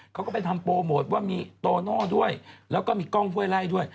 เขาก็ไปทำโปรโมทว่ามีโตโน่ด้วยแล้วก็มีกล้องห้วยไล่ด้วย